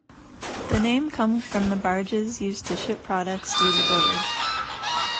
The name comes from the barges used to ship products through the village.